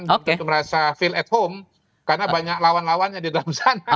untuk merasa feel at home karena banyak lawan lawannya di dalam sana